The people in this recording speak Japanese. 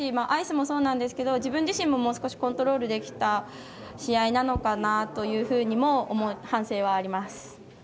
アイスもそうなんですけど自分自身も、もう少しコントロールできた試合なのかなというふうにも反省はあります。